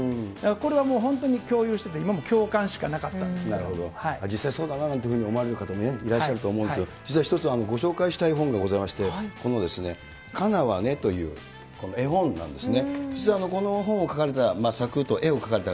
だからこれはもう本当に共有してて、実際そうだなというふうに思われる方もいると思うんですけれども、実は１つご紹介したい本がございまして、このかなわね、という絵本なんですね。